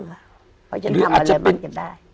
เพราะฉันทำอะไรมันจะได้